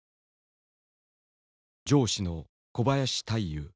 上司の小林大祐。